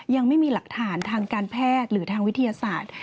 ยังไม่มีหลักฐานทางการแพทย์หรือทางวิทยาศาสตร์